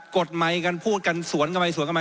กดไมค์กันพูดกันสวนกันไป